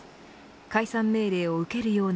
解散命令を受けるような